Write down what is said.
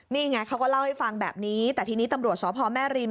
นี่ไงเขาก็เล่าให้ฟังแบบนี้แต่ทีนี้ตำรวจสพแม่ริม